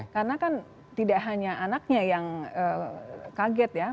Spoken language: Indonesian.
karena kan tidak hanya anaknya yang kaget ya